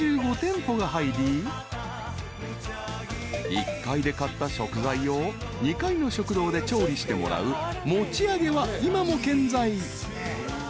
［１階で買った食材を２階の食堂で調理してもらう持ち上げは今も健在］